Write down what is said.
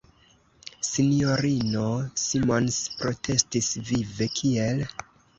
S-ino Simons protestis vive: "Kiel!"